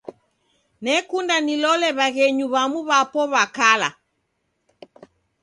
Nakunde nilole w'aghenyu w'amu w'apo w'a kala.